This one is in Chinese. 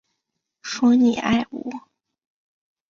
说你爱我